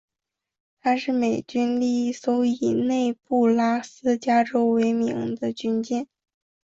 她是美军第一艘以内布拉斯加州为名的军舰。